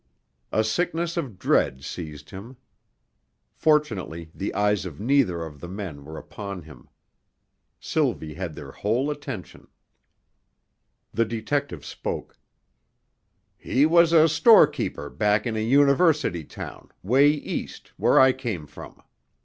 A sickness of dread seized him. Fortunately the eyes of neither of the men were upon him. Sylvie had their whole attention. The detective spoke. "He was a storekeeper back in a university town, way East, where I came from.